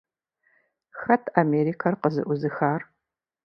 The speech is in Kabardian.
Хэт Америкэр къызэӀузыхар?